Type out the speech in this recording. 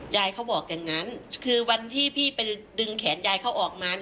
ยายเขาบอกอย่างนั้นคือวันที่พี่ไปดึงแขนยายเขาออกมา